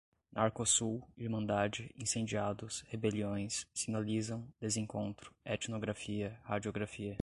narcosul, irmandade, incendiados, rebeliões, sinalizam, desencontro, etnografia, radiografia